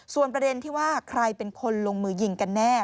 ส่วนประเด็นที่ว่าใครเป็นคนลงมือยิงกันแน่